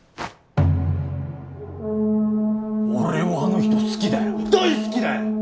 俺はあの人好きだよ大好きだよ！